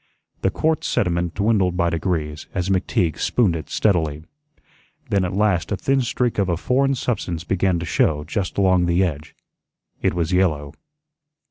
The quartz sediment dwindled by degrees as McTeague spooned it steadily. Then at last a thin streak of a foreign substance began to show just along the edge. It was yellow.